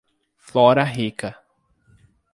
Flora Rica